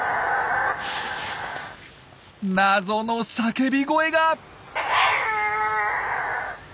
謎の叫び声が！